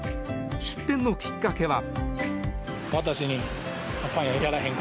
出店のきっかけは。